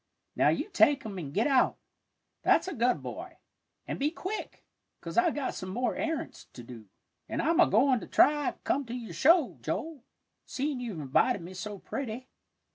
"Now you take 'em and git out, that's a good boy, an' be quick, 'cause I've got some more arrants to do, an' I'm a goin' to try to come to your show, Joel, seein' you've invited me so pretty."